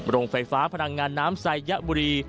โรงไฟฟ้าพลังงานน้ำไซยะบุรี